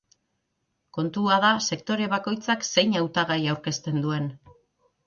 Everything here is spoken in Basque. Kontua da sektore bakoitzak zein hautagai aurkezten duen.